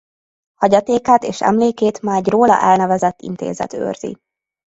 Hagyatékát és emlékét ma egy róla elnevezett intézet őrzi.